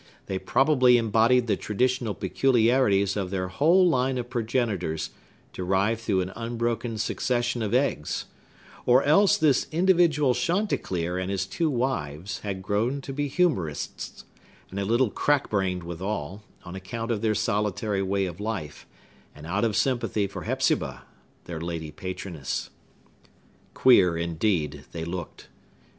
They probably embodied the traditionary peculiarities of their whole line of progenitors, derived through an unbroken succession of eggs; or else this individual Chanticleer and his two wives had grown to be humorists, and a little crack brained withal, on account of their solitary way of life, and out of sympathy for Hepzibah, their lady patroness. Queer, indeed, they looked!